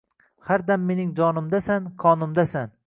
Har dam manim jonimdasan qonimdasan